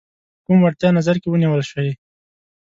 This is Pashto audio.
کوم وړتیا نظر کې ونیول شي.